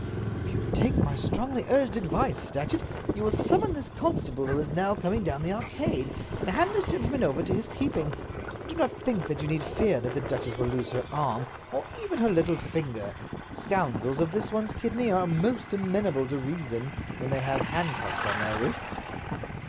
"If you take my strongly urged advice, Datchet, you will summon this constable who is now coming down the Arcade, and hand this gentleman over to his keeping. I do not think that you need fear that the duchess will lose her arm, or even her little finger. Scoundrels of this one's kidney are most amenable to reason when they have handcuffs on their wrists."